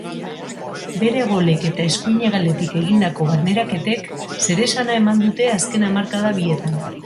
Bere golek eta eskuin hegaletik egindako barneraketek zeresana eman dute azken hamarkada bietan.